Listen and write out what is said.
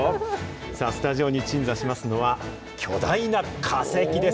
さあ、スタジオに鎮座しますのは、巨大な化石です。